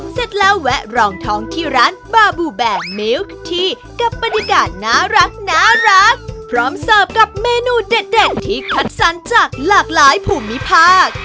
เสร็จแล้วแวะรองท้องที่ร้านบาบูแบกมิ้วที่กับบรรยากาศน่ารักพร้อมเสิร์ฟกับเมนูเด็ดที่คัดสรรจากหลากหลายภูมิภาค